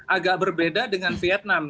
agak berbeda dengan vietnam